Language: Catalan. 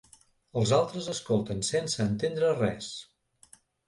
Els altres escolten sense entendre res.